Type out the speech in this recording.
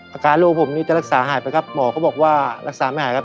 อาการลูกผมนี่จะรักษาหายไปครับหมอก็บอกว่ารักษาไม่หายครับ